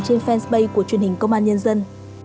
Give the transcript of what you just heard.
trên fanpage của truyền hình công an nhân dân